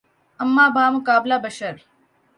اماں بمقابلہ بشر